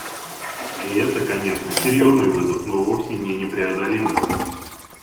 И это, конечно, серьезный вызов, но вовсе не непреодолимый.